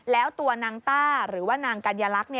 แล้วตัวนางต้าหรือว่านางกัญลักษณ์